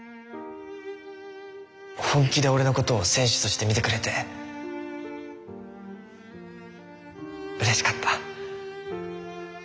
本気で俺のことを選手として見てくれてうれしかった。